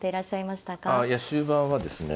あいや終盤はですね